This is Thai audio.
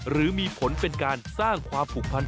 หรือมีผลเป็นการสร้างความผูกพัน